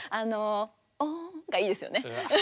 「おん」がいいですね。